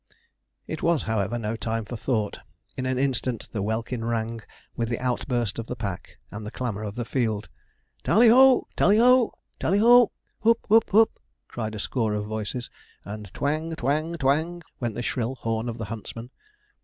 It was, however, no time for thought. In an instant the welkin rang with the outburst of the pack and the clamour of the field. 'Talli ho!' 'Talli ho!' 'Talli ho!' 'Hoop!' 'Hoop!' 'Hoop!' cried a score of voices, and 'Twang! twang! twang!' went the shrill horn of the huntsman.